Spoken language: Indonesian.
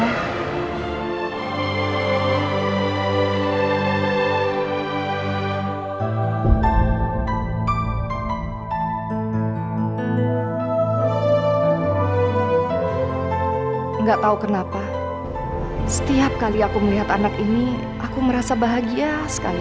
enggak tahu kenapa setiap kali aku melihat anak ini aku merasa bahagia sekali